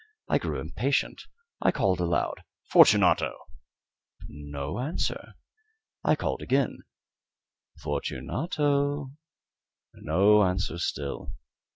I grew impatient. I called aloud "Fortunato!" No answer. I called again "Fortunato " No answer still.